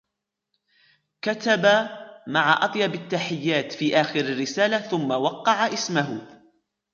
كتب " مع أطيب التحيات " في آخر الرسالة ثم وقع اسمه.